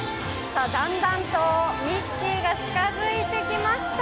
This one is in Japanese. だんだんとミッキーが近づいてきました。